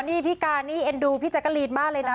นี่พี่การนี่เอ็นดูพี่แจ๊กกะลีนมากเลยนะ